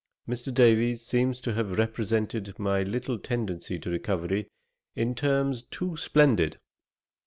Mr. Davies seems to have represented my little tendency to recovery in terms too splendid.